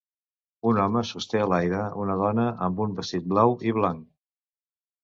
Un home sosté a l'aire una dona amb un vestit blau i blanc.